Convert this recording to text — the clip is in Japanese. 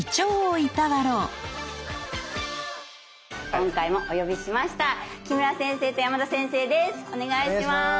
今回もお呼びしました木村先生と山田先生です。